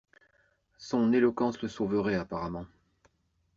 Son éloquence le sauverait apparemment.